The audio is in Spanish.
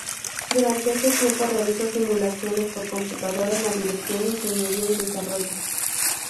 Durante ese tiempo, realizó simulaciones por computadora en la Dirección de Ingeniería y Desarrollo.